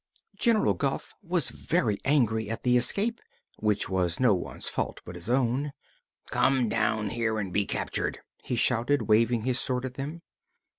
General Guph was very angry at the escape, which was no one's fault but his own. "Come down here and be captured!" he shouted, waving his sword at them.